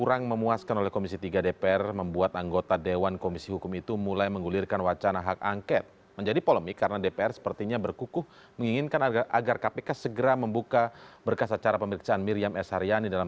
agus durmansyah cnn indonesia